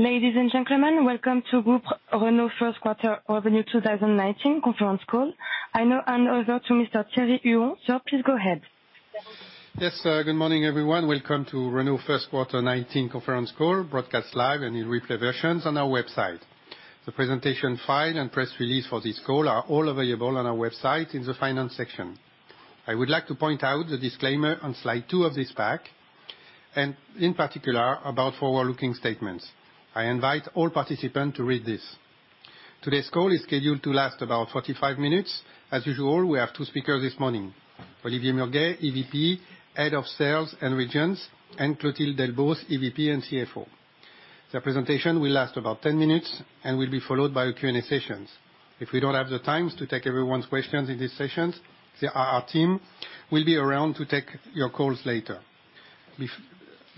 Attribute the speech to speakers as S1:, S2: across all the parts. S1: Ladies and gentlemen, welcome to Groupe Renault's first quarter revenue 2019 conference call. I now hand over to Mr. Thierry Huon. Sir, please go ahead.
S2: Yes, good morning, everyone. Welcome to Renault first quarter 2019 conference call, broadcast live and in replay versions on our website. The presentation file and press release for this call are all available on our website in the finance section. I would like to point out the disclaimer on slide two of this pack, and in particular, about forward-looking statements. I invite all participants to read this. Today's call is scheduled to last about 45 minutes. As usual, we have two speakers this morning, Olivier Murguet, EVP, Head of Sales and Regions, and Clotilde Delbos, EVP and CFO. Their presentation will last about 10 minutes and will be followed by a Q&A session. If we don't have the time to take everyone's questions in this session, our team will be around to take your calls later.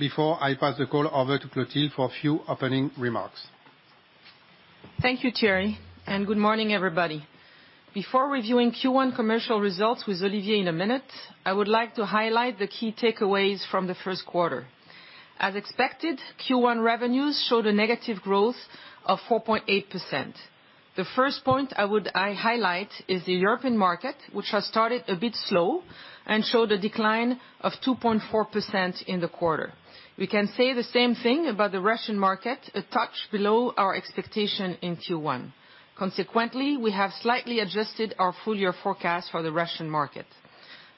S2: Before I pass the call over to Clotilde for a few opening remarks.
S3: Thank you, Thierry, and good morning, everybody. Before reviewing Q1 commercial results with Olivier in a minute, I would like to highlight the key takeaways from the first quarter. As expected, Q1 revenues showed a negative growth of 4.8%. The first point I would highlight is the European market, which has started a bit slow and showed a decline of 2.4% in the quarter. We can say the same thing about the Russian market, a touch below our expectation in Q1. Consequently, we have slightly adjusted our full-year forecast for the Russian market.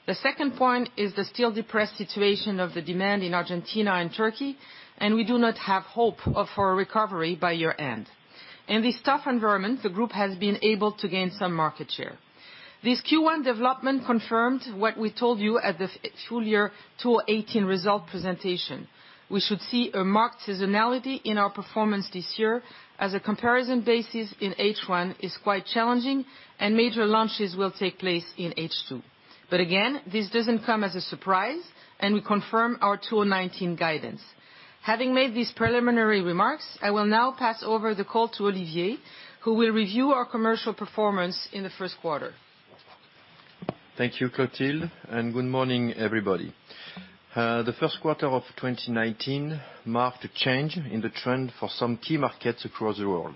S3: The second point is the still depressed situation of the demand in Argentina and Turkey, and we do not have hope for a recovery by year-end. In this tough environment, the Group has been able to gain some market share. This Q1 development confirmed what we told you at the full year 2018 result presentation. We should see a marked seasonality in our performance this year, as a comparison basis in H1 is quite challenging, and major launches will take place in H2. Again, this doesn't come as a surprise, and we confirm our 2019 guidance. Having made these preliminary remarks, I will now pass over the call to Olivier, who will review our commercial performance in the first quarter.
S4: Good morning, everybody. The first quarter of 2019 marked a change in the trend for some key markets across the world.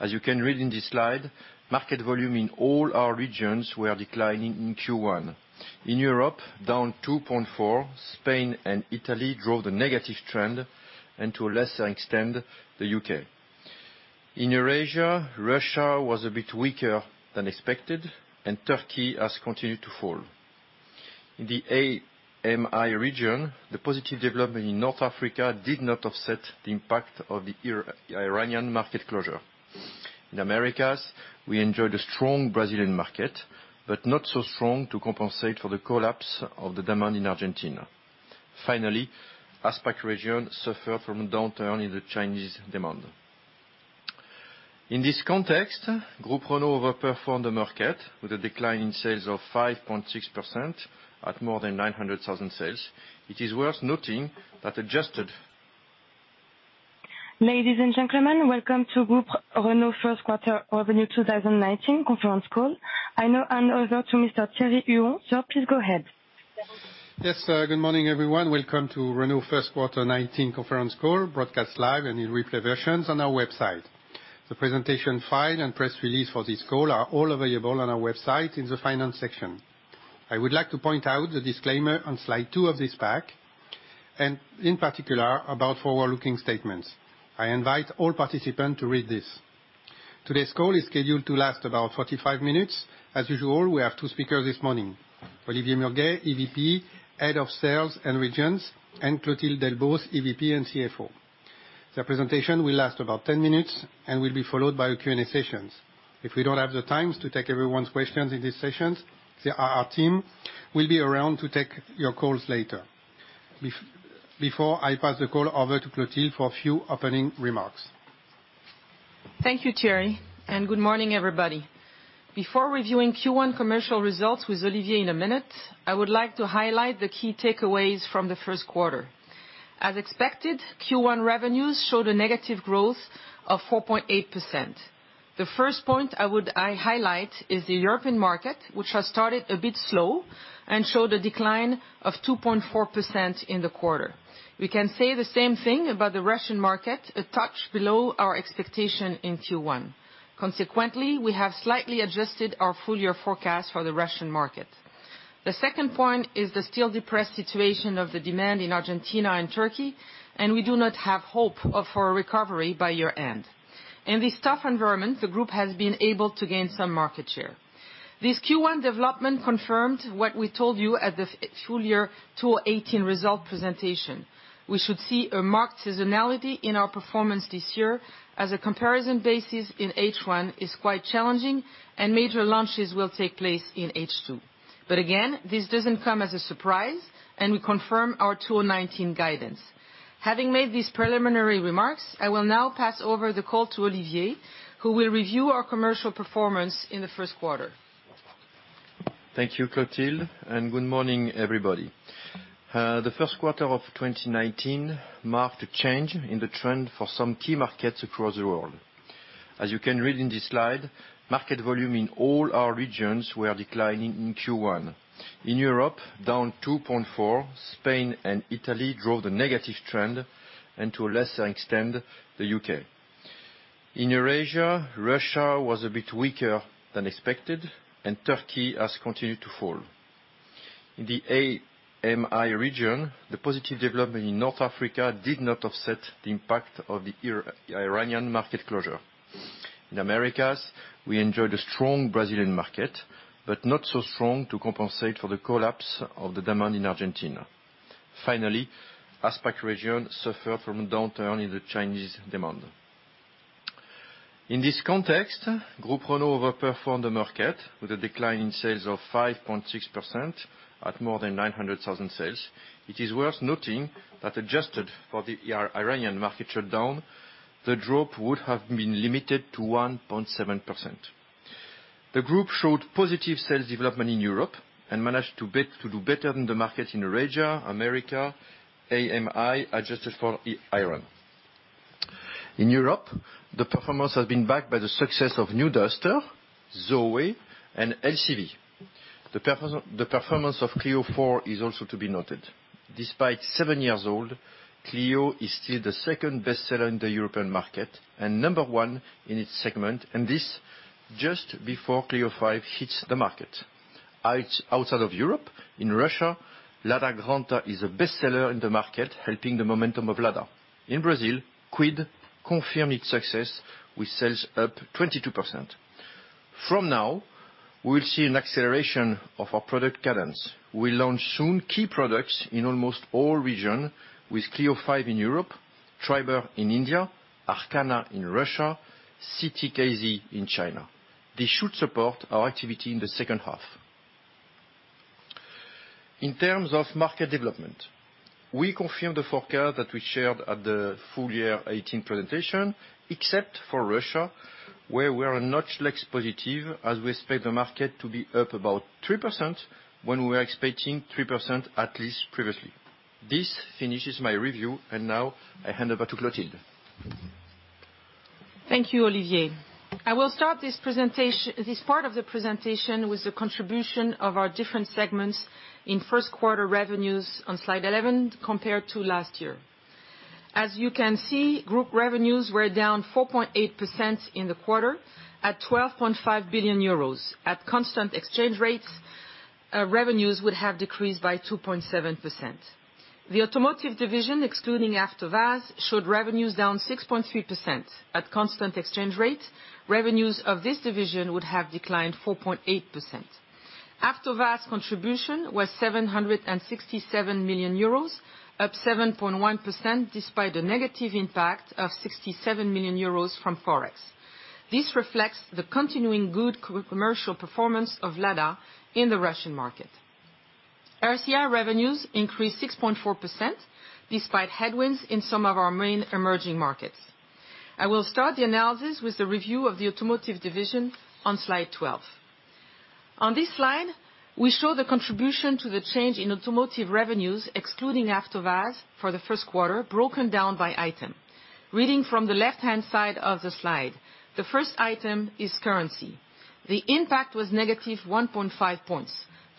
S4: As you can read in this slide, market volume in all our regions were declining in Q1. In Europe, down 2.4%, Spain and Italy drove the negative trend, and to a lesser extent, the U.K. In Eurasia, Russia was a bit weaker than expected, and Turkey has continued to fall. The AMI region, the positive development in North Africa did not offset the impact of the Iranian market closure. Americas, we enjoyed a strong Brazilian market, but not so strong to compensate for the collapse of the demand in Argentina. Finally, APAC region suffered from a downturn in the Chinese demand. In this context, Groupe Renault overperformed the market with a decline in sales of 5.6% at more than 900,000 sales. It is worth noting that adjusted.
S1: Ladies and gentlemen, welcome to Groupe Renault's first quarter revenue 2019 conference call. I now hand over to Mr. Thierry Hureaux. Sir, please go ahead.
S5: Yes, good morning, everyone. Welcome to Renault first quarter 2019 conference call, broadcast live and in replay versions on our website. The presentation file and press release for this call are all available on our website in the finance section. I would like to point out the disclaimer on slide two of this pack, and in particular, about forward-looking statements. I invite all participants to read this. Today's call is scheduled to last about 45 minutes. As usual, we have two speakers this morning, Olivier Murguet, EVP, Head of Sales and Regions, and Clotilde Delbos, EVP and CFO. Their presentation will last about 10 minutes and will be followed by a Q&A session. If we don't have the time to take everyone's questions in this session, our team will be around to take your calls later. Before, I pass the call over to Clotilde for a few opening remarks.
S3: Thank you, Thierry, and good morning, everybody. Before reviewing Q1 commercial results with Olivier in a minute, I would like to highlight the key takeaways from the first quarter. As expected, Q1 revenues showed a negative growth of 4.8%. The first point I would highlight is the European market, which has started a bit slow and showed a decline of 2.4% in the quarter. We can say the same thing about the Russian market, a touch below our expectation in Q1. Consequently, we have slightly adjusted our full-year forecast for the Russian market. The second point is the still depressed situation of the demand in Argentina and Turkey, and we do not have hope for a recovery by year-end. In this tough environment, the Group has been able to gain some market share. This Q1 development confirmed what we told you at the full year 2018 result presentation. We should see a marked seasonality in our performance this year, as a comparison basis in H1 is quite challenging, and major launches will take place in H2. Again, this doesn't come as a surprise, and we confirm our 2019 guidance. Having made these preliminary remarks, I will now pass over the call to Olivier, who will review our commercial performance in the first quarter.
S4: Thank you, Clotilde, and good morning, everybody. The first quarter of 2019 marked a change in the trend for some key markets across the world. As you can read in this slide, market volume in all our regions were declining in Q1. In Europe, down 2.4%, Spain and Italy drove the negative trend, and to a lesser extent, the U.K. In Eurasia, Russia was a bit weaker than expected, and Turkey has continued to fall. In the AMI region, the positive development in North Africa did not offset the impact of the Iranian market closure. In Americas, we enjoyed a strong Brazilian market, but not so strong to compensate for the collapse of the demand in Argentina. Finally, Asia-Pac region suffered from a downturn in the Chinese demand. In this context, Groupe Renault overperformed the market with a decline in sales of 5.6% at more than 900,000 sales. It is worth noting that adjusted for the Iranian market shutdown, the drop would have been limited to 1.7%. The Group showed positive sales development in Europe and managed to do better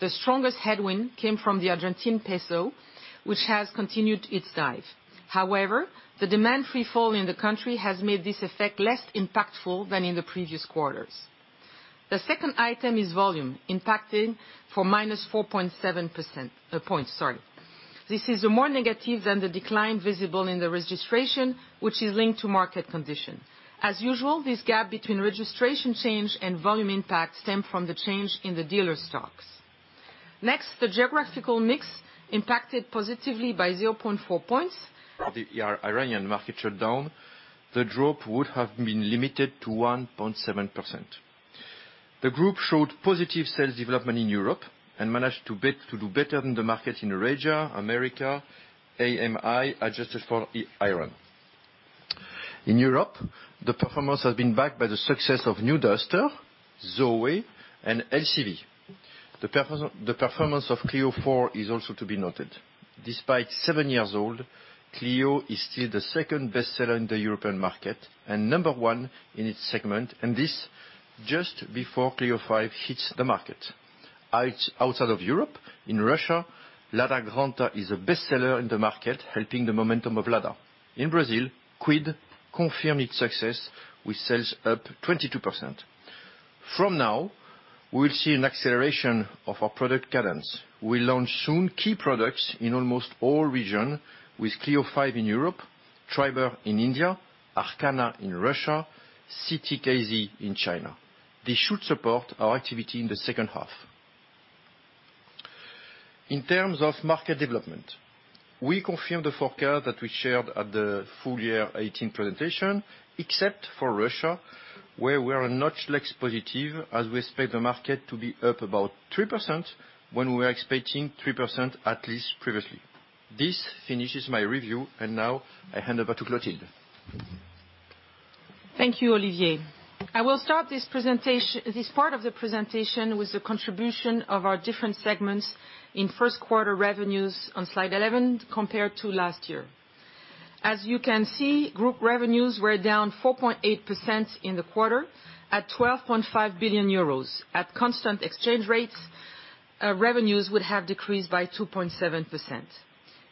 S4: than the market in Eurasia, America, AMI, adjusted for Iran. In Europe, the performance has been backed by the success of new Duster, ZOE, and LCV. The performance of Clio 4 is also to be noted. Despite 7 years old, Clio is still the second bestseller in the European market and number 1 in its segment, and this just before Clio 5 hits the market. Outside of Europe, in Russia, Lada Granta is the bestseller in the market, helping the momentum of Lada. In Brazil, Kwid confirm its success with sales up 22%. From now, we will see an acceleration of our product cadence. We launch soon key products in almost all regions with Clio 5 in Europe, Triber in India, Arkana in Russia, City K-ZE in China. This should support our activity in the second half. In terms of market development, we confirm the forecast that we shared at the full year 2018 presentation, except for Russia, where we are a notch less positive as we expect the market to be up about 3% when we were expecting 3% at least previously. This finishes my review. Now I hand over to Clotilde.
S3: Thank you, Olivier. I will start this part of the presentation with the contribution of our different segments in first quarter revenues on slide 11 compared to last year. As you can see, group revenues were down 4.8% in the quarter at 12.5 billion euros. At constant exchange rates, revenues would have decreased by 2.7%.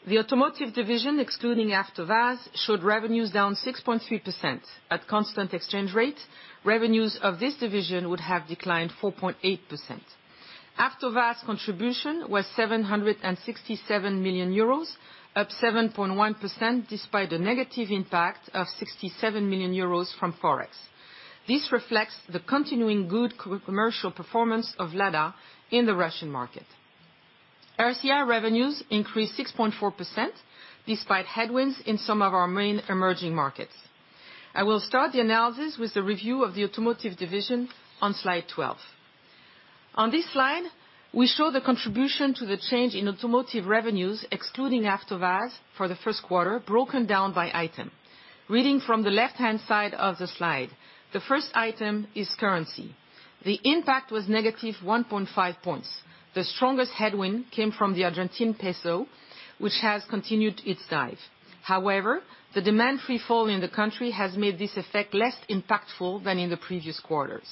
S3: The automotive division, excluding AvtoVAZ, showed revenues down 6.3%. At constant exchange rates, revenues of this division would have declined 4.8%. AvtoVAZ contribution was 767 million euros, up 7.1%, despite a negative impact of 67 million euros from Forex. This reflects the continuing good commercial performance of Lada in the Russian market. RCI revenues increased 6.4%, despite headwinds in some of our main emerging markets. I will start the analysis with the review of the automotive division on slide 12. On this slide, we show the contribution to the change in automotive revenues, excluding AvtoVAZ for the first quarter, broken down by item. Reading from the left-hand side of the slide, the first item is currency. The impact was negative 1.5 points. The strongest headwind came from the Argentine peso, which has continued its dive. The demand freefall in the country has made this effect less impactful than in the previous quarters.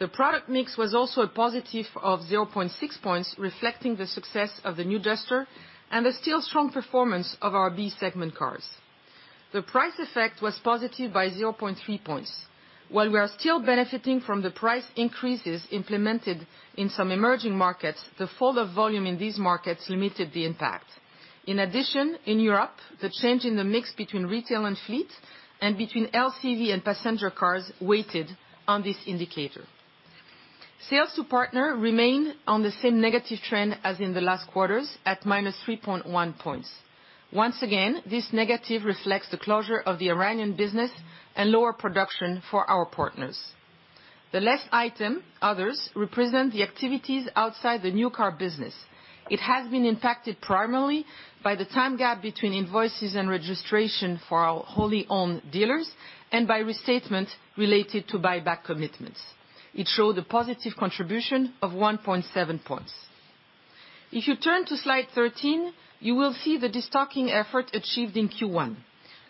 S3: The product mix was also a positive of 0.6 points, reflecting the success of the new Duster and the still strong performance of our B segment cars. The price effect was positive by 0.3 points. While we are still benefiting from the price increases implemented in some emerging markets, the fall of volume in these markets limited the impact. In addition, in Europe, the change in the mix between retail and fleet, and between LCV and passenger cars weighted on this indicator. Sales to partner remain on the same negative trend as in the last quarters, at -3.1 points. Once again, this negative reflects the closure of the Iranian business and lower production for our partners. The last item, others, represent the activities outside the new car business. It has been impacted primarily by the time gap between invoices and registration for our wholly owned dealers, and by restatement related to buyback commitments. It showed a positive contribution of 1.7 points. If you turn to slide 13, you will see the destocking effort achieved in Q1.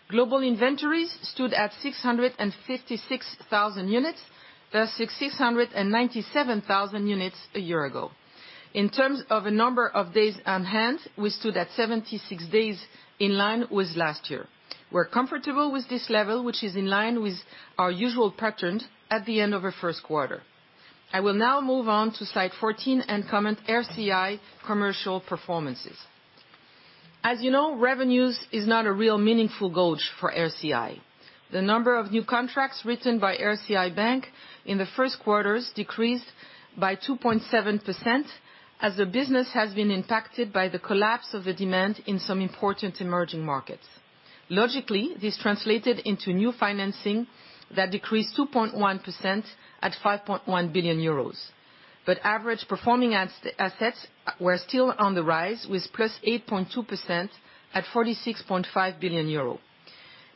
S3: Global inventories stood at 656,000 units, versus 697,000 units a year ago. In terms of a number of days on hand, we stood at 76 days, in line with last year. We're comfortable with this level, which is in line with our usual pattern at the end of a first quarter. I will now move on to slide 14 and comment RCI commercial performances. As you know, revenues is not a real meaningful gauge for RCI. The number of new contracts written by RCI Bank in the first quarters decreased by 2.7%, as the business has been impacted by the collapse of the demand in some important emerging markets. Logically, this translated into new financing that decreased 2.1% at 5.1 billion euros. Average performing assets were still on the rise, with plus 8.2% at 46.5 billion euro.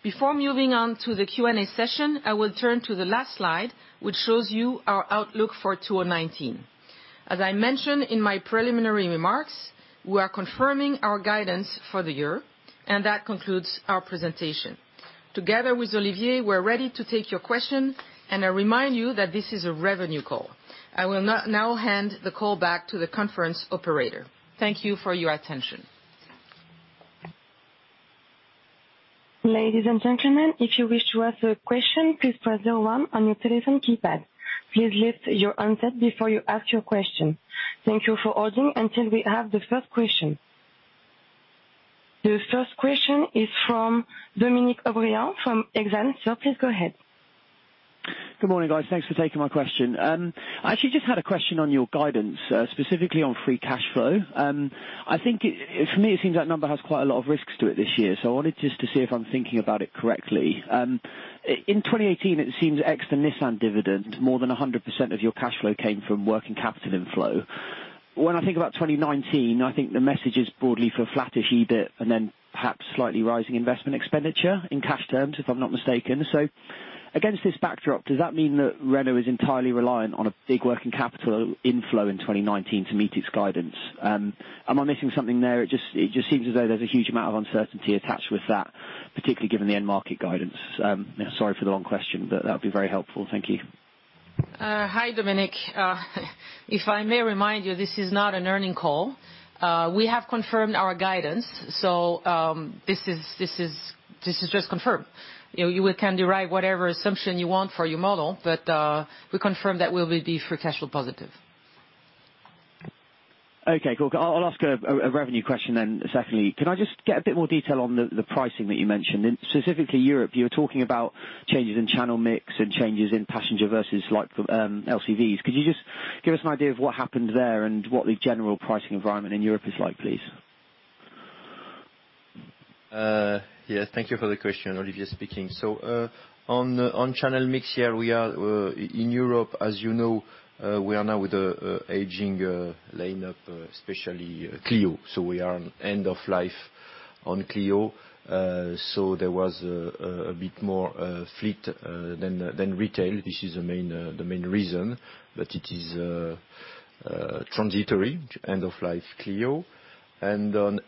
S3: Before moving on to the Q&A session, I will turn to the last slide, which shows you our outlook for 2019. As I mentioned in my preliminary remarks, we are confirming our guidance for the year, that concludes our presentation. Together with Olivier, we're ready to take your question, I remind you that this is a revenue call. I will now hand the call back to the conference operator. Thank you for your attention.
S1: Ladies and gentlemen, if you wish to ask a question, please press star one on your telephone keypad. Please lift your handset before you ask your question. Thank you for holding until we have the first question. The first question is from Dominic O'Brien from Exane. Sir, please go ahead.
S6: Good morning, guys. Thanks for taking my question. I actually just had a question on your guidance, specifically on free cash flow. For me, it seems that number has quite a lot of risks to it this year, so I wanted just to see if I'm thinking about it correctly. In 2018, it seems ex and Nissan dividend, more than 100% of your cash flow came from working capital inflow. When I think about 2019, I think the message is broadly for a flattish EBIT, and then perhaps slightly rising investment expenditure in cash terms, if I'm not mistaken. Against this backdrop, does that mean that Renault is entirely reliant on a big working capital inflow in 2019 to meet its guidance? Am I missing something there? It just seems as though there's a huge amount of uncertainty attached with that, particularly given the end market guidance. Sorry for the long question, but that would be very helpful. Thank you.
S3: Hi, Dominic. If I may remind you, this is not an earnings call. We have confirmed our guidance, this is just confirmed. You can derive whatever assumption you want for your model, we confirm that we'll be free cash flow positive.
S6: Okay, cool. I'll ask a revenue question secondly. Can I just get a bit more detail on the pricing that you mentioned? Specifically Europe, you were talking about changes in channel mix and changes in passenger versus LCVs. Could you just give us an idea of what happened there and what the general pricing environment in Europe is like, please?
S4: Yes, thank you for the question, Olivier speaking. On channel mix, here we are in Europe, as you know, we are now with aging lineup, especially Clio. We are on end of life on Clio. On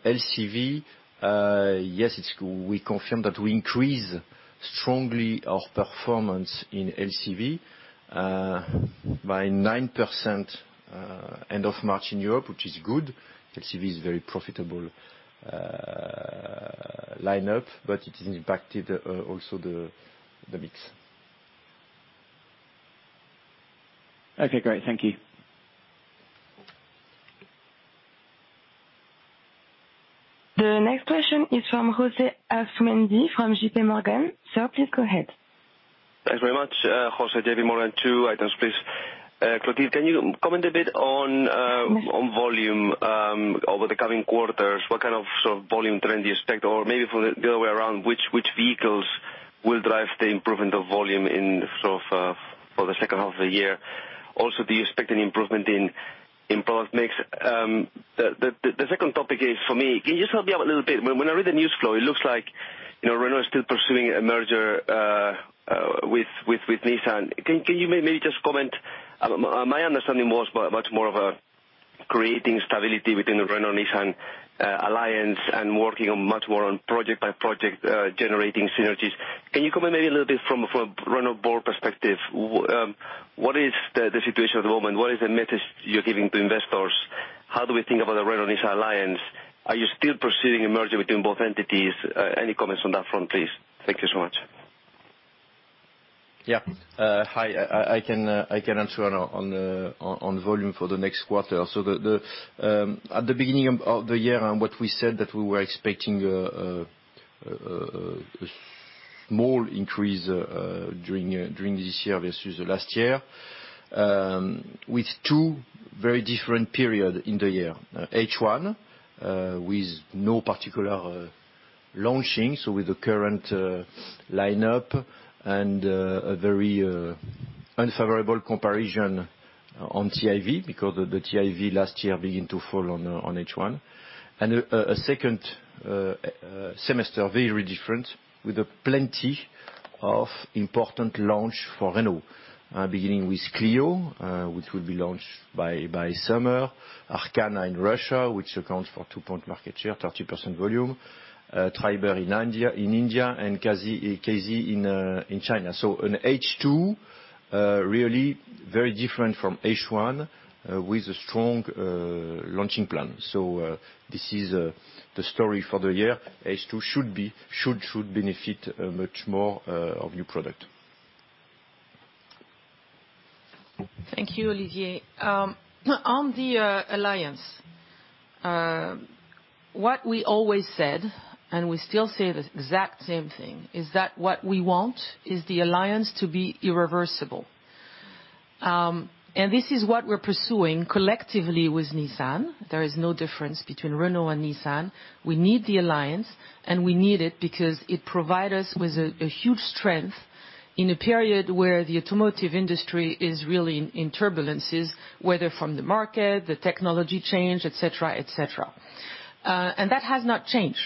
S4: LCV, yes, we confirm that we increase strongly our performance in LCV, by 9% end of March in Europe, which is good. LCV is very profitable lineup, it has impacted also the mix.
S6: Okay, great. Thank you.
S1: The next question is from Jose Asumendi, from J.P. Morgan. Sir, please go ahead.
S7: Thanks very much. Jose, J.P. Morgan. Two items, please. Clotilde, can you comment a bit on volume over the coming quarters? What kind of volume trend do you expect? Maybe the other way around, which vehicles will drive the improvement of volume for the second half of the year? Also, do you expect any improvement in product mix? The second topic is for me. Can you just help me out a little bit? When I read the news flow, it looks like Renault is still pursuing a merger with Nissan. Can you maybe just comment? My understanding was much more of creating stability within the Renault-Nissan alliance and working much more on project by project, generating synergies. Can you comment maybe a little bit from a Renault board perspective, what is the situation at the moment? What is the message you're giving to investors? How do we think about the Renault-Nissan alliance? Are you still pursuing a merger between both entities? Any comments on that front, please? Thank you so much.
S4: Hi, I can answer on volume for the next quarter. At the beginning of the year, what we said that we were expecting a small increase during this year versus last year, with two very different periods in the year. H1 with no particular launching, so with the current lineup and a very unfavorable comparison on CIV, because the CIV last year began to fall on H1. A second semester, very different, with plenty of important launch for Renault. Beginning with Clio, which will be launched by summer, Arkana in Russia, which accounts for 2-point market share, 30% volume, Triber in India, and K-ZE in China. In H2, really very different from H1, with a strong launching plan. This is the story for the year. H2 should benefit much more of new product.
S3: Thank you, Olivier. On the alliance, what we always said, and we still say the exact same thing, is that what we want is the alliance to be irreversible. This is what we're pursuing collectively with Nissan. There is no difference between Renault and Nissan. We need the alliance, and we need it because it provide us with a huge strength in a period where the automotive industry is really in turbulences, whether from the market, the technology change, et cetera. That has not changed.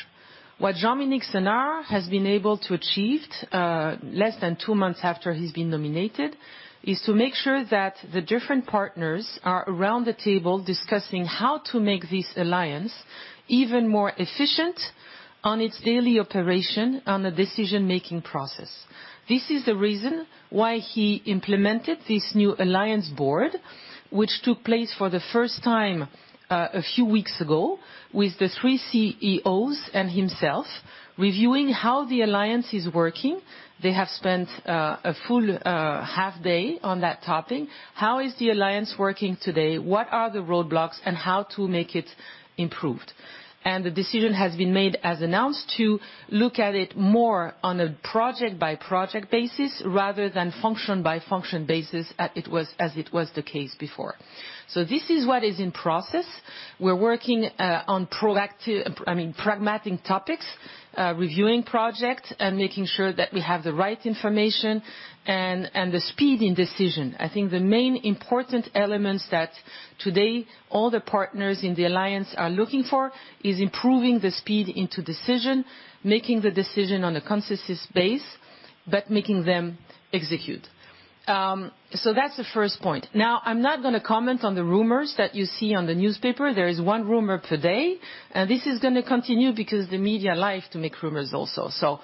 S3: What Jean-Dominique Senard has been able to achieve, less than two months after he's been nominated, is to make sure that the different partners are around the table discussing how to make this alliance even more efficient on its daily operation on the decision-making process. This is the reason why he implemented this new alliance board, which took place for the first time a few weeks ago, with the 3 CEOs and himself, reviewing how the alliance is working. They have spent a full half day on that topic. How is the alliance working today? What are the roadblocks, and how to make it improved? The decision has been made, as announced, to look at it more on a project-by-project basis rather than function-by-function basis, as it was the case before. This is what is in process. We're working on pragmatic topics, reviewing projects, and making sure that we have the right information and the speed in decision. I think the main important elements that today all the partners in the alliance are looking for, is improving the speed into decision, making the decision on a consistent base, but making them execute. That's the first point. Now, I'm not going to comment on the rumors that you see on the newspaper. There is one rumor per day, this is going to continue because the media like to make rumors also.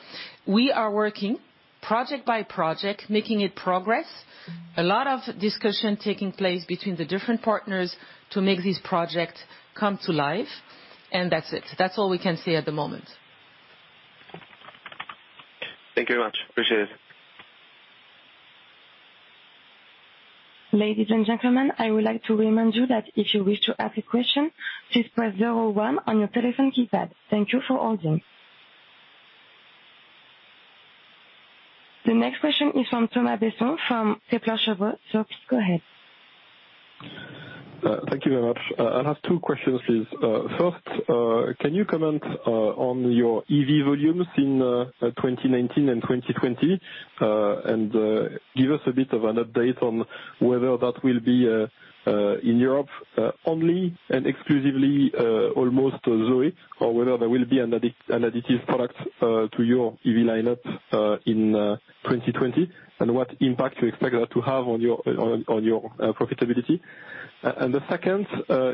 S3: We are working project by project, making it progress. A lot of discussion taking place between the different partners to make this project come to life, That's it. That's all we can say at the moment.
S7: Thank you very much. Appreciate it.
S1: Ladies and gentlemen, I would like to remind you that if you wish to ask a question, please press 01 on your telephone keypad. Thank you for holding. The next question is from Thomas Besson from Kepler Cheuvreux. Please go ahead.
S8: Thank you very much. I have two questions, please. First, can you comment on your EV volumes in 2019 and 2020? Give us a bit of an update on whether that will be in Europe only and exclusively almost Zoe, or whether there will be an additive product to your EV lineup in 2020, and what impact you expect that to have on your profitability. The second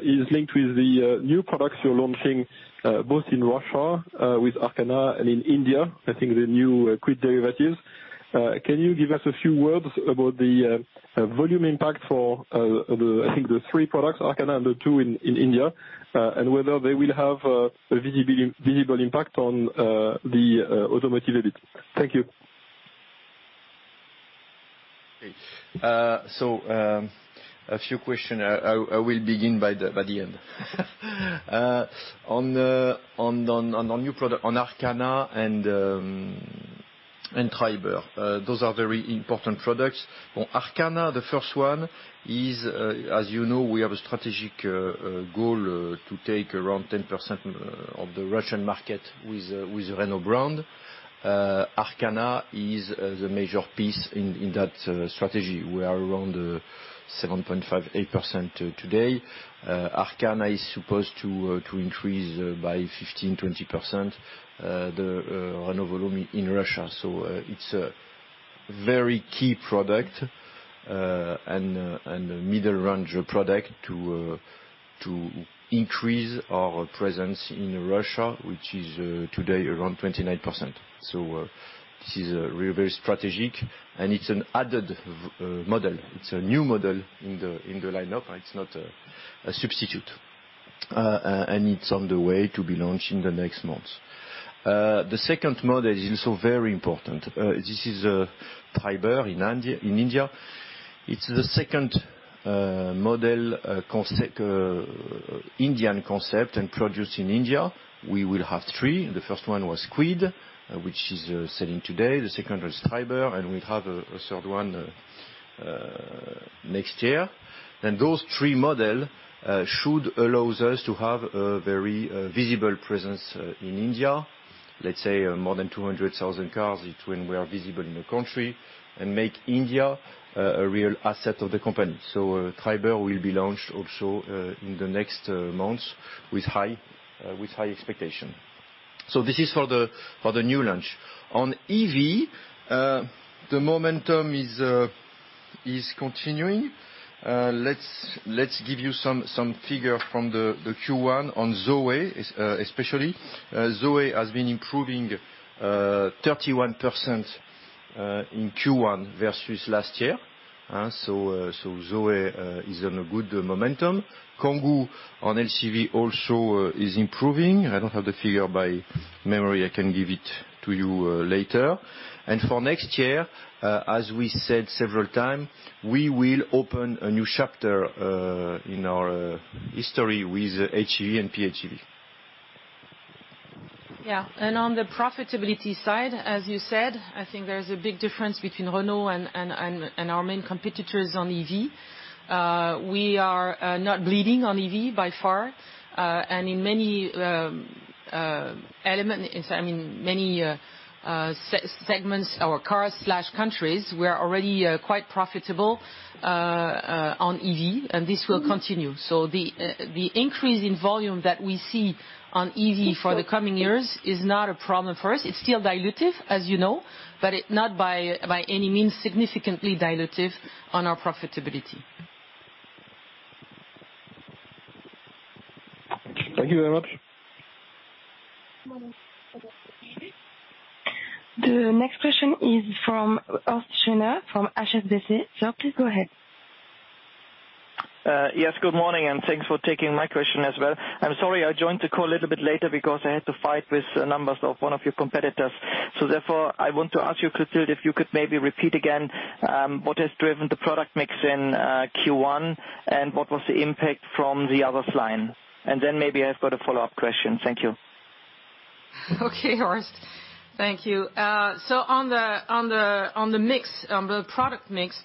S8: is linked with the new products you're launching, both in Russia with Arkana and in India, I think the new Kwid derivatives. Can you give us a few words about the volume impact for, I think the three products, Arkana and the two in India, and whether they will have a visible impact on the automotive division. Thank you.
S4: A few question, I will begin by the end. On new product, on Arkana and Triber. Those are very important products. On Arkana, the first one is, as you know we have a strategic goal to take around 10% of the Russian market with Renault brand. Arkana is the major piece in that strategy. We are around 7.58% today. Arkana is supposed to increase by 15%-20% the Renault volume in Russia. It's a very key product, and middle range product to increase our presence in Russia, which is today around 29%. This is very strategic, and it's an added model. It's a new model in the lineup. It's not a substitute. It's on the way to be launched in the next months. The second model is also very important. This is Triber in India. It's the second model Indian concept and produced in India. We will have three. The first one was Kwid, which is selling today. The second was Triber, and we have a third one next year. Those three models should allow us to have a very visible presence in India. Let's say more than 200,000 cars between we are visible in the country, and make India a real asset of the company. Triber will be launched also in the next months with high expectations. This is for the new launch. On EV, the momentum is continuing. Let's give you some figures from the Q1 on Zoe, especially. Zoe has been improving 31% in Q1 versus last year. Zoe is on a good momentum. Kangoo on LCV also is improving. I don't have the figures by memory, I can give it to you later. For next year, as we said several times, we will open a new chapter in our history with HEV and PHEV.
S3: Yeah. On the profitability side, as you said, I think there is a big difference between Renault and our main competitors on EV. We are not bleeding on EV by far. In many segments or cars/countries, we are already quite profitable on EV, and this will continue. The increase in volume that we see on EV for the coming years is not a problem for us. It's still dilutive, as you know, but it not by any means significantly dilutive on our profitability.
S8: Thank you very much.
S1: The next question is from Horst Schneider from HSBC. Please go ahead.
S9: Yes, good morning, thanks for taking my question as well. I'm sorry I joined the call a little bit later because I had to fight with numbers of one of your competitors. Therefore, I want to ask you, Clotilde, if you could maybe repeat again what has driven the product mix in Q1, what was the impact from the others line? Maybe I've got a follow-up question. Thank you.
S3: Okay, Horst. Thank you. On the product mix,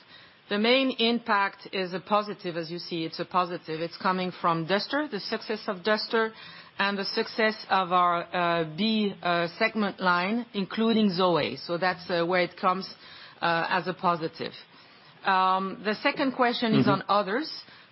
S3: the main impact is a positive, as you see, it's a positive. It's coming from Duster, the success of Duster, and the success of our B segment line, including Zoe. That's where it comes as a positive. The second question is on others.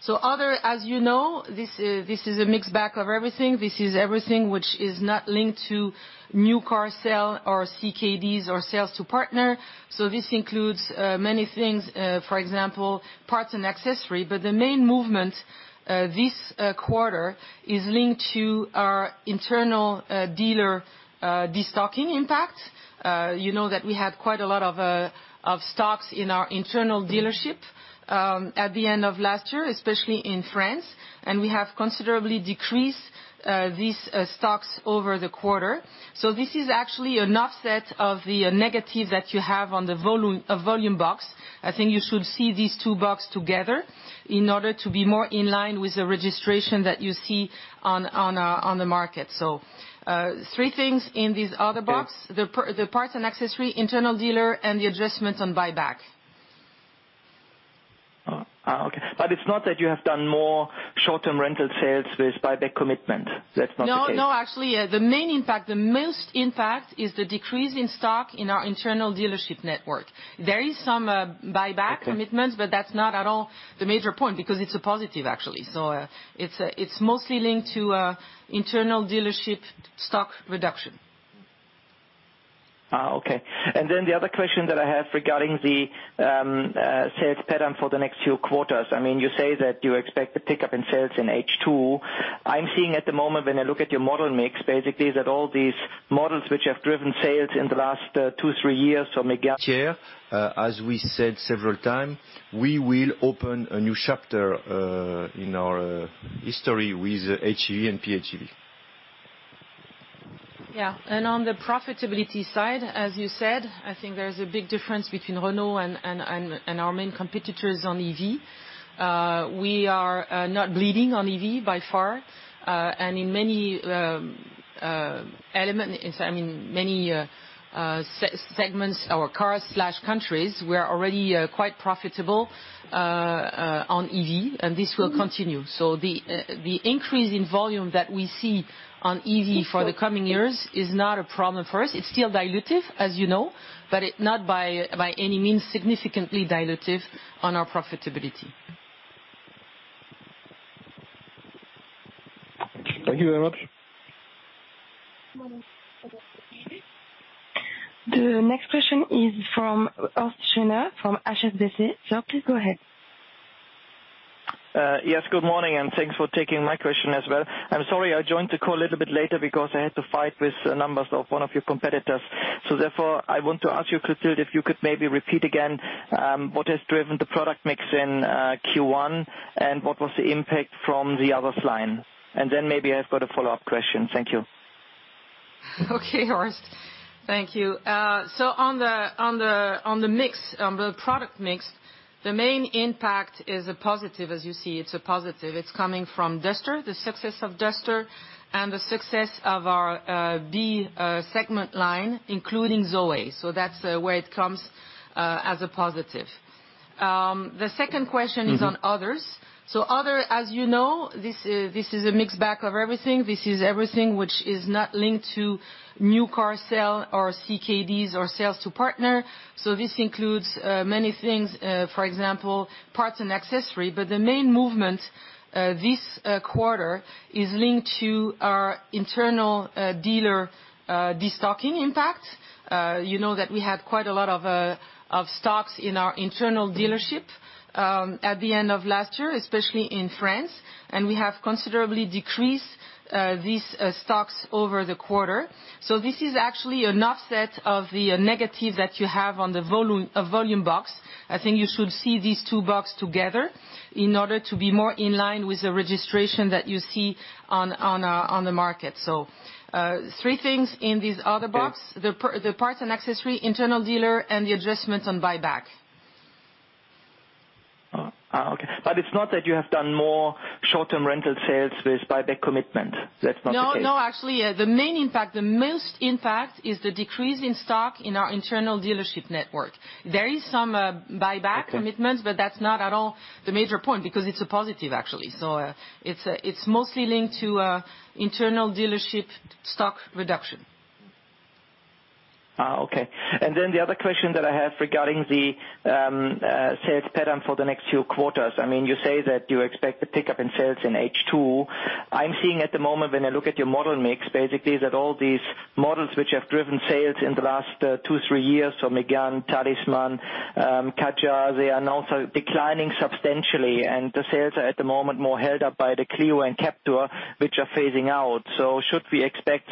S3: Other, as you know, this is a mixed bag of everything. This is everything which is not linked to new car sale or CKDs or sales to partner. This includes many things, for example, parts and accessory. The main movement this quarter is linked to our internal dealer destocking impact. You know that we had quite a lot of stocks in our internal dealership at the end of last year, especially in France. We have considerably decreased these stocks over the quarter. This is actually an offset of the negative that you have on the volume box. I think you should see these two box together in order to be more in line with the registration that you see on the market. Three things in this other box, the parts and accessory, internal dealer, and the adjustment on buyback.
S9: It's not that you have done more short-term rental sales with buyback commitment. That's not the case?
S3: Actually, the main impact, the most impact, is the decrease in stock in our internal dealership network. There is some buyback commitments, but that's not at all the major point because it's a positive, actually. It's mostly linked to internal dealership stock reduction.
S9: Okay. The other question that I have regarding the sales pattern for the next few quarters. You say that you expect a pickup in sales in H2. I'm seeing at the moment, when I look at your model mix, basically, that all these models which have driven sales in the last two, three years, so Mégane.
S4: Here, as we said several times, we will open a new chapter in our history with HEV and PHEV.
S3: Yeah. On the profitability side, as you said, I think there's a big difference between Renault and our main competitors on EV. We are not bleeding on EV by far, and in many segments or cars/countries, we are already quite profitable on EV, and this will continue. The increase in volume that we see on EV for the coming years is not a problem for us. It's still dilutive, as you know, but not by any means significantly dilutive on our profitability.
S9: Thank you very much.
S1: The next question is from Horst Schneider from HSBC. Sir, please go ahead.
S9: Yes, good morning, and thanks for taking my question as well. I'm sorry, I joined the call a little bit later because I had to fight with numbers of one of your competitors. Therefore, I want to ask you, Clotilde, if you could maybe repeat again, what has driven the product mix in Q1, and what was the impact from the others line? Maybe I've got a follow-up question. Thank you.
S3: Okay, Horst. Thank you. On the product mix, the main impact is a positive, as you see. It's a positive. It's coming from Duster, the success of Duster, and the success of our B segment line, including Zoe. That's where it comes as a positive. The second question is on others. Other, as you know, this is a mixed bag of everything. This is everything which is not linked to new car sale or CKDs or sales to partner. This includes many things, for example, parts and accessory. The main movement this quarter is linked to our internal dealer destocking impact. You know that we had quite a lot of stocks in our internal dealership at the end of last year, especially in France, and we have considerably decreased these stocks over the quarter. This is actually an offset of the negative that you have on the volume box. I think you should see these two box together in order to be more in line with the registration that you see on the market. Three things in this other box, the parts and accessory, internal dealer, and the adjustment on buyback.
S9: Okay. It's not that you have done more short-term rental sales with buyback commitment. That's not the case?
S3: No, actually, the main impact, the most impact, is the decrease in stock in our internal dealership network. There is some buyback commitments, that's not at all the major point because it's a positive, actually. It's mostly linked to internal dealership stock reduction.
S9: Okay. The other question that I have regarding the sales pattern for the next few quarters. You say that you expect a pickup in sales in H2. I'm seeing at the moment, when I look at your model mix, basically, that all these models which have driven sales in the last two, three years, so Mégane, Talisman, Kadjar, they are now declining substantially. The sales are at the moment more held up by the Clio and Captur, which are phasing out. Should we expect,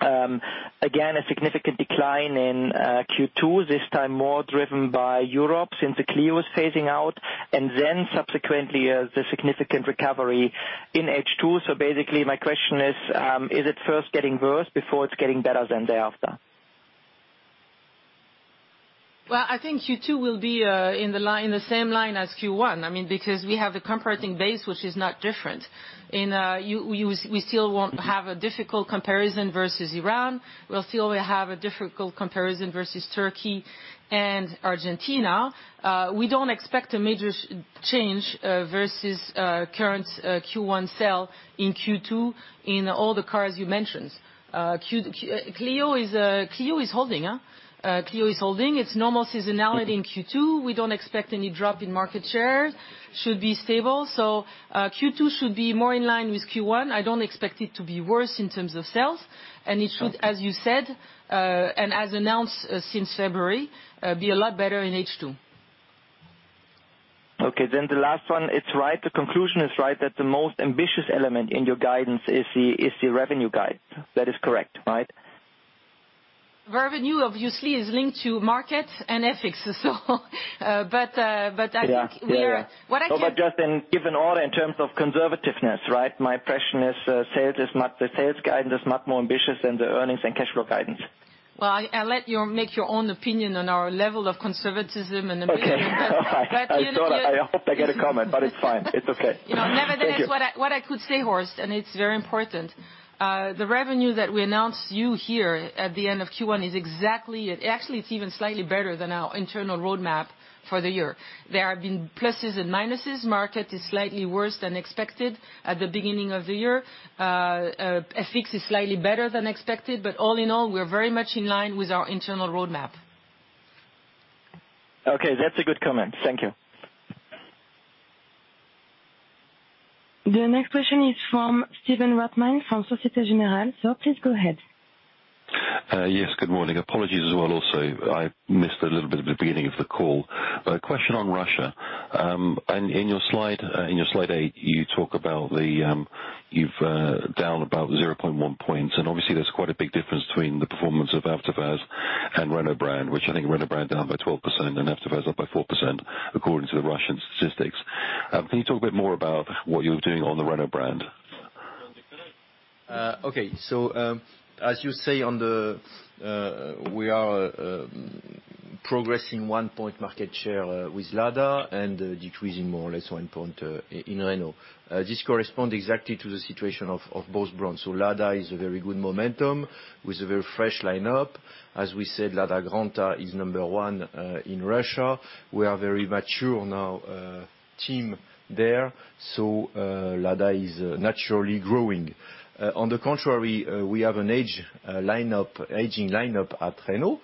S9: again, a significant decline in Q2, this time more driven by Europe since the Clio is phasing out, and then subsequently, the significant recovery in H2? Basically, my question is it first getting worse before it's getting better then thereafter?
S3: Well, I think Q2 will be in the same line as Q1. Because we have a comparing base which is not different. We still won't have a difficult comparison versus Iran. We'll still have a difficult comparison versus Turkey and Argentina. We don't expect a major change versus current Q1 sale in Q2 in all the cars you mentioned. Clio is holding. It's normal seasonality in Q2. We don't expect any drop in market share, should be stable. Q2 should be more in line with Q1. I don't expect it to be worse in terms of sales, and it should, as you said, and as announced since February, be a lot better in H2.
S9: Okay, the last one, the conclusion is right, that the most ambitious element in your guidance is the revenue guide. That is correct, right?
S3: Revenue, obviously, is linked to market and ethics. I think we are-
S9: Yeah.
S3: What I can-
S9: No, just in given order in terms of conservativeness, right? My impression is the sales guidance is much more ambitious than the earnings and cash flow guidance.
S3: Well, I let you make your own opinion on our level of conservatism and ambition.
S9: Okay. All right. I thought I hope to get a comment, but it's fine. It's okay. Thank you.
S3: What I could say, Horst, and it's very important, the revenue that we announced you here at the end of Q1, actually it's even slightly better than our internal roadmap for the year. There have been pluses and minuses. Market is slightly worse than expected at the beginning of the year. FX is slightly better than expected, all in all, we are very much in line with our internal roadmap.
S9: Okay. That's a good comment. Thank you.
S1: The next question is from Stephen Reitman from Société Générale. Sir, please go ahead.
S10: Yes, good morning. Apologies as well also, I missed a little bit of the beginning of the call. A question on Russia. In your slide eight, you've down about 0.1 points, and obviously that's quite a big difference between the performance of AvtoVAZ and Renault brand, which I think Renault brand down by 12% and AvtoVAZ up by 4% according to the Russian statistics. Can you talk a bit more about what you're doing on the Renault brand?
S4: Okay. As you say, we are progressing one point market share with Lada and decreasing more or less one point in Renault. This corresponds exactly to the situation of both brands. Lada is a very good momentum with a very fresh lineup. As we said, Lada Granta is number 1 in Russia. We are very mature on our team there. Lada is naturally growing. On the contrary, we have an aging lineup at Renault.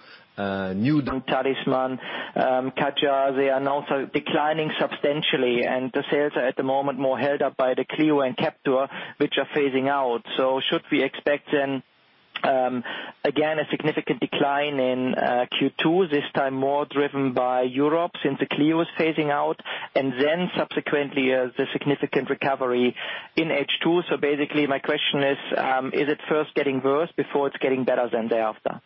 S4: New-
S11: Talisman, Kadjar, they are now declining substantially. The sales are, at the moment, more held up by the Clio and Captur, which are phasing out. Should we expect then, again, a significant decline in Q2, this time more driven by Europe since the Clio is phasing out, and then subsequently, the significant recovery in H2? Basically my question is it first getting worse before it's getting better thereafter?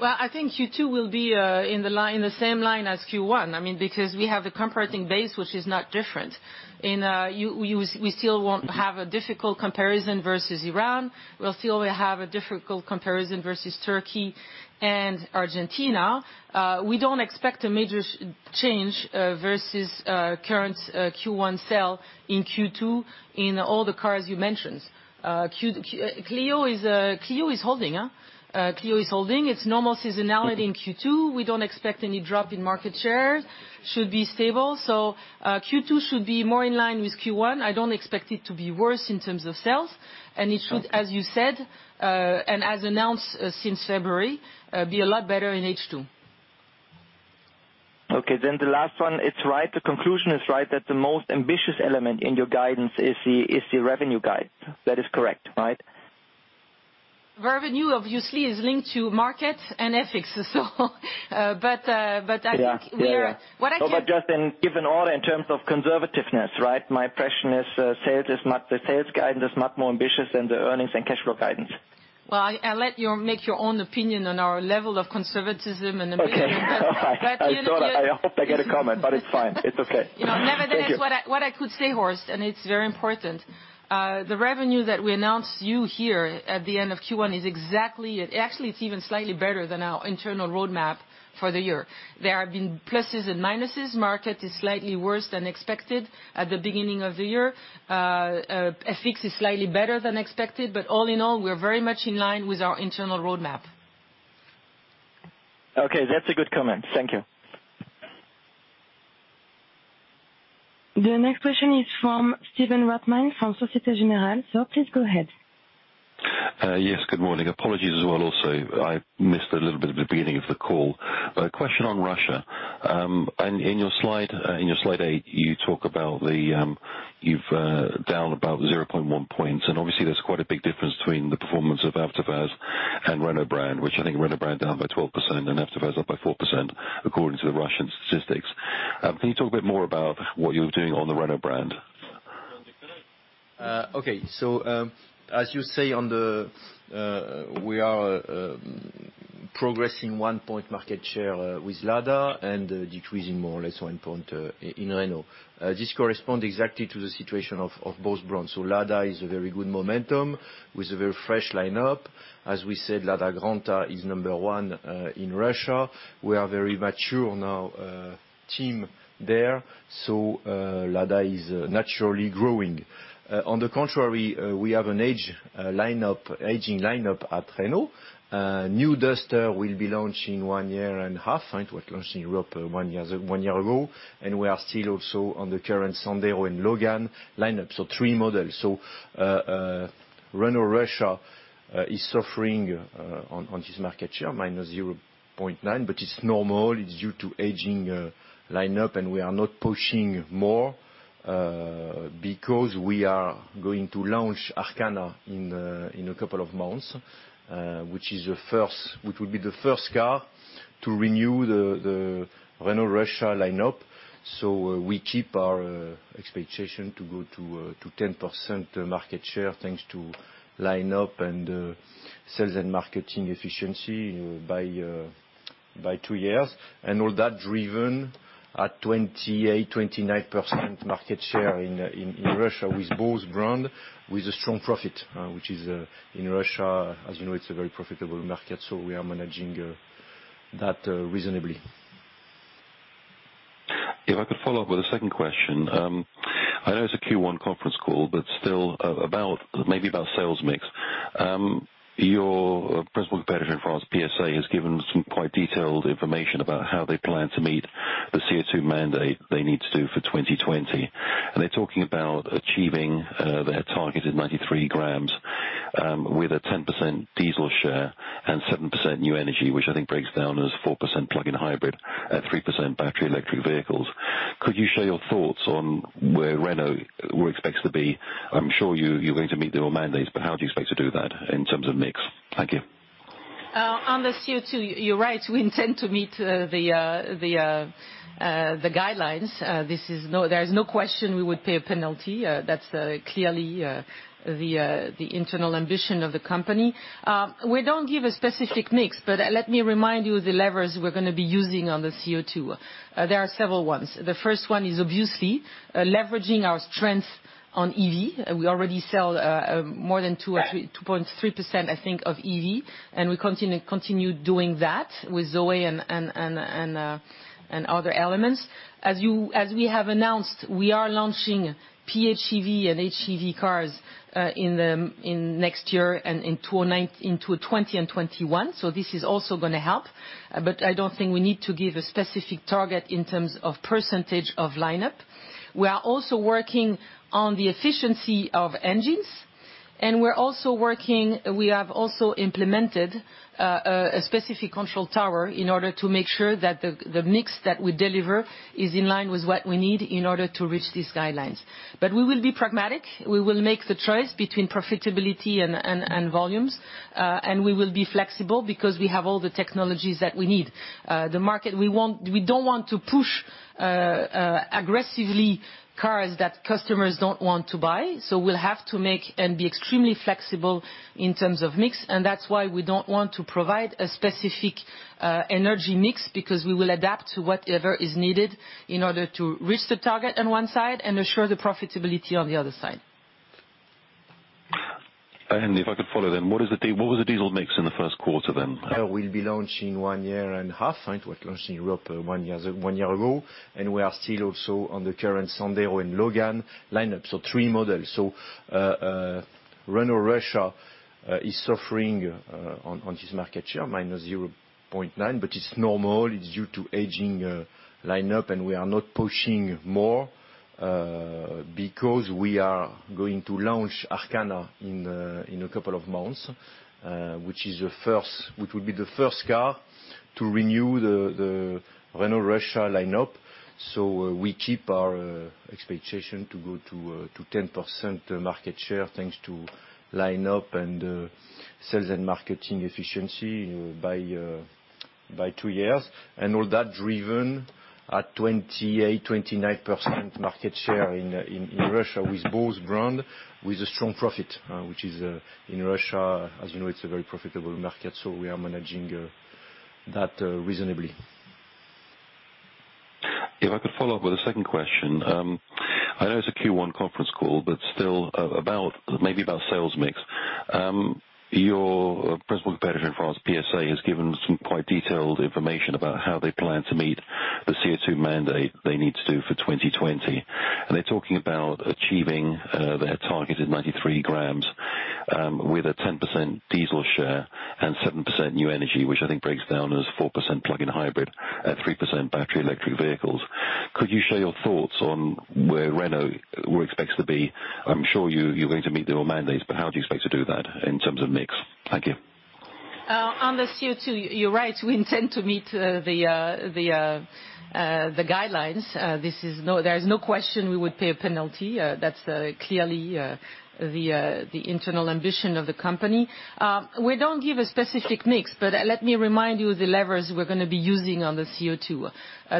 S3: Well, I think Q2 will be in the same line as Q1. We have a comparing base which is not different. We still won't have a difficult comparison versus Iran. We'll still have a difficult comparison versus Turkey and Argentina. We don't expect a major change versus current Q1 sale in Q2 in all the cars you mentioned. Clio is holding. It's normal seasonality in Q2. We don't expect any drop in market share, should be stable. Q2 should be more in line with Q1. I don't expect it to be worse in terms of sales, and it should, as you said, and as announced since February, be a lot better in H2.
S10: Okay. The last one. The conclusion is right, that the most ambitious element in your guidance is the revenue guide. That is correct, right?
S3: Revenue obviously is linked to market and FX.
S10: Yeah.
S3: What I can-
S10: No, just in given all in terms of conservativeness, right? My impression is the sales guidance is much more ambitious than the earnings and cash flow guidance.
S3: Well, I let you make your own opinion on our level of conservatism and ambition.
S10: Okay. All right. I thought I hope to get a comment, but it's fine. It's okay. Thank you.
S3: What I could say, Horst, it's very important, the revenue that we announced you here at the end of Q1, actually it's even slightly better than our internal roadmap for the year. There have been pluses and minuses. Market is slightly worse than expected at the beginning of the year. FX is slightly better than expected, all in all, we are very much in line with our internal roadmap.
S10: Okay. That's a good comment. Thank you.
S1: The next question is from Stephen Reitman from Société Générale. Sir, please go ahead.
S10: Yes, good morning. Apologies as well also, I missed a little bit of the beginning of the call. A question on Russia. In your slide eight, you talk about you've down about 0.1 points. Obviously that's quite a big difference between the performance of AvtoVAZ and Renault brand, which I think Renault brand down by 12% and AvtoVAZ up by 4% according to the Russian statistics. Can you talk a bit more about what you're doing on the Renault brand?
S4: Okay. As you say, we are progressing one point market share with Lada and decreasing more or less one point in Renault. This correspond exactly to the situation of both brands. Lada is a very good momentum with a very fresh lineup. As we said, Lada Granta is number one in Russia. We are very mature on our team there. Lada is naturally growing. On the contrary, we have an aging lineup at Renault. New Duster will be launching one year and half. It was launched in Europe one year ago, and we are still also on the current Sandero and Logan lineup. Three models. Renault Russia is suffering on this market share, minus 0.9, but it's normal. It's due to aging lineup, and we are not pushing more because we are going to launch Arkana in a couple of months, which will be the first car to renew the Renault Russia lineup. We keep our expectation to go to 10% market share, thanks to lineup and sales and marketing efficiency by two years, and all that driven at 28%, 29% market share in Russia with both brands, with a strong profit. Which is, in Russia, as you know, it's a very profitable market, so we are managing that reasonably.
S10: If I could follow up with a second question. I know it's a Q1 conference call, but still, maybe about sales mix. Your principal competitor in France, PSA, has given some quite detailed information about how they plan to meet the CO2 mandate they need to do for 2020. They're talking about achieving their target of 93 grams with a 10% diesel share and 7% new energy, which I think breaks down as 4% plug-in hybrid and 3% battery electric vehicles. Could you share your thoughts on where Renault expects to be? I'm sure you're going to meet your mandates, but how do you expect to do that in terms of mix? Thank you.
S3: On the CO2, you're right, we intend to meet the guidelines. There is no question we would pay a penalty. That's clearly the internal ambition of the company. We don't give a specific mix, let me remind you of the levers we're going to be using on the CO2.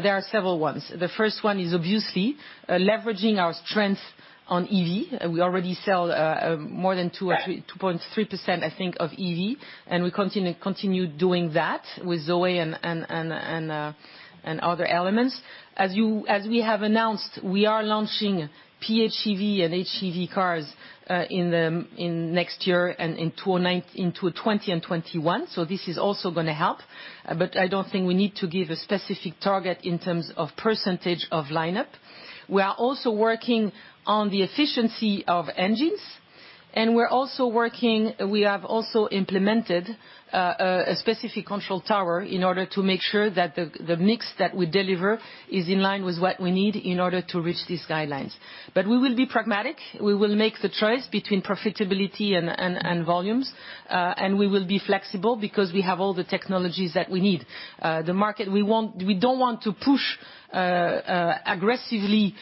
S3: There are several ones. The first one is obviously leveraging our strengths on EV. We already sell more than 2.3%, I think, of EV, and we continue doing that with Zoe and other elements. As we have announced, we are launching PHEV and HEV cars next year and into 2020 and 2021, this is also going to help. I don't think we need to give a specific target in terms of percentage of lineup. We are also working on the efficiency of engines, we have also implemented a specific control tower in order to make sure that the mix that we deliver is in line with what we need in order to reach these guidelines. We will be pragmatic. We will make the choice between profitability and volumes. We will be flexible because we have all the technologies that we need. We don't want to push aggressively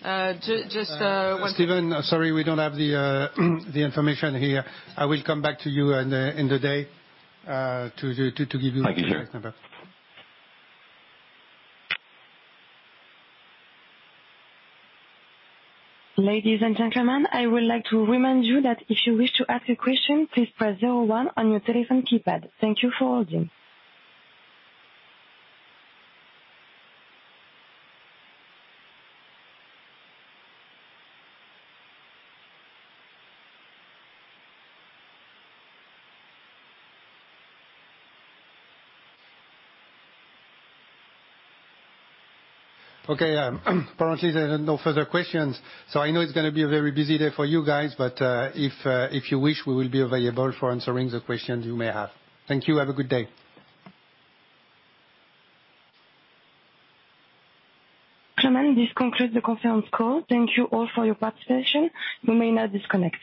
S4: Stephen, sorry, we don't have the information here. I will come back to you in the day to give you the exact number.
S10: Thank you, sir.
S1: Ladies and gentlemen, I would like to remind you that if you wish to ask a question, please press 01 on your telephone keypad. Thank you for holding.
S4: Okay. Apparently, there are no further questions. I know it's going to be a very busy day for you guys, but if you wish, we will be available for answering the questions you may have. Thank you. Have a good day.
S1: Clement, this concludes the conference call. Thank you all for your participation. You may now disconnect.